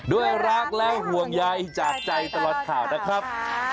ด้วยรักและห่วงใยจากใจตลอดข่าวนะครับ